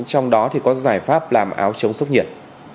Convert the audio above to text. trong đó thì có giải pháp làm áo chống sốc nhiệt